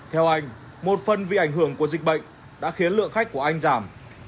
theo anh một phần vì ảnh hưởng của dịch bệnh đã khiến lượng khách của anh giảm